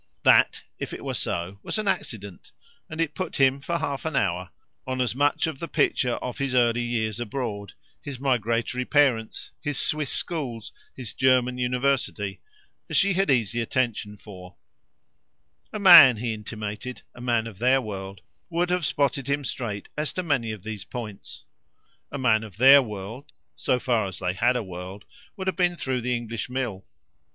This, if it had been so, was an accident, and it perched him there with her for half an hour, like a cicerone and his victim on a tower top, before as much of the bird's eye view of his early years abroad, his migratory parents, his Swiss schools, his German university, as she had easy attention for. A man, he intimated, a man of their world, would have spotted him straight as to many of these points; a man of their world, so far as they had a world, would have been through the English mill.